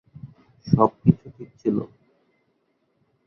সবকিছু ঠিক ছিল?